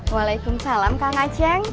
waalaikumsalam kak ngaceng